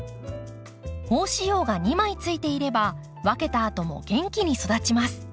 胞子葉が２枚ついていれば分けたあとも元気に育ちます。